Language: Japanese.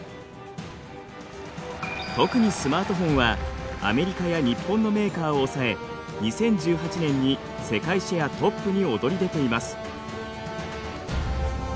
特にスマートフォンはアメリカや日本のメーカーを抑え２０１８年に世界シェアトップに躍り出ています。